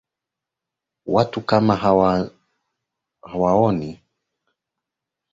watu kama hawaoni kama wana wanamabadiliko